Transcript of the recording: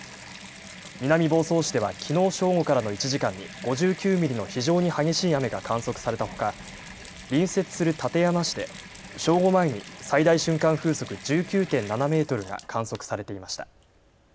南房総市ではきのう正午からの１時間に５９ミリの非常に激しい雨が観測されたほか隣接する館山市で正午前に最大瞬間風速１９．７メートルが観測されていました。